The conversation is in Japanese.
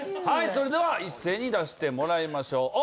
はいそれでは一斉に出してもらいましょう。